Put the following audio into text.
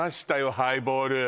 ハイボール